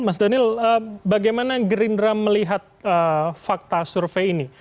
mas daniel bagaimana gerindra melihat fakta survei ini